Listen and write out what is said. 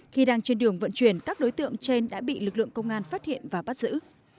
khi đang trên đường vận chuyển các đối tượng trên đã bị lực lượng công an phát hiện và bắt giữ